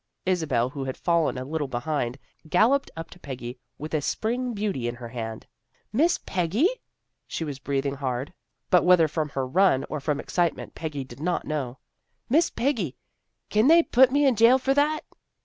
Isabel, who had fallen a little behind, galloped up to Peggy with a spring beauty in her hand. "Miss Peggy!" She was breathing hard, 320 THE GIRLS OF FRIENDLY TERRACE but whether from her run or from excitement Peggy did not know. " Miss Peggy, kin they put me in jail for that?